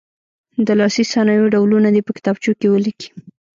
د لاسي صنایعو ډولونه دې په کتابچو کې ولیکي.